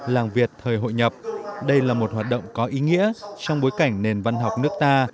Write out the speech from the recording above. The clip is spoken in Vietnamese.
làng việt thời hội nhập đây là một hoạt động có ý nghĩa trong bối cảnh nền văn học nước ta